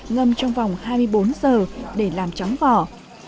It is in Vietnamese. ngâm trong vòng hai mươi bốn giờ để nấu nước